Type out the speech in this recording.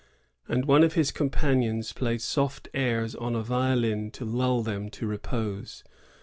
"* And one of his companions played soft airs on a violin to lull them to repose.